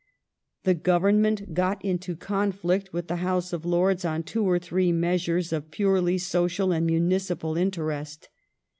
The Government got into conflict with the House of Lords on two or three measures of purely social and municipal interest.